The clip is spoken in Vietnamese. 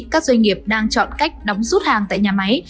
các doanh nghiệp đang chọn cách đóng rút hàng tại nhà máy